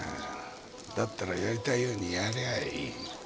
だったらやりたいようにやりゃあいい。